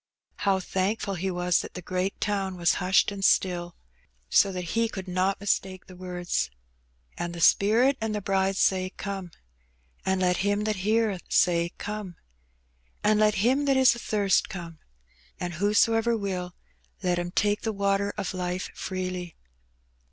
How thankful he was that the great town was hushed and still, so that he G 82 Hbb Benny. could not mistake the words. '^And the Spirit and the Bride say. Come. And let him that heareth say. Come. And let him that is athirst come. And whosoever will, let him take the water of life freely."